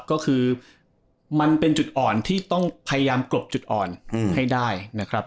ก็คือมันเป็นจุดอ่อนที่ต้องพยายามกรบจุดอ่อนให้ได้นะครับ